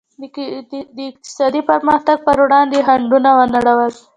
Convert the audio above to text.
د اقتصادي پرمختګ پر وړاندې یې خنډونه ونړول.